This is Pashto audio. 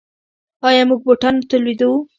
آیا موږ بوټان تولیدوو؟